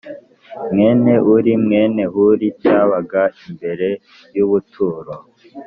Mwene uri mwene huri cyabaga imbere y ubuturo